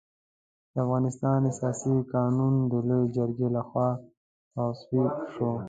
د افغانستان اساسي قانون د لويې جرګې له خوا تصویب شو.